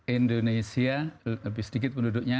indonesia lebih sedikit penduduknya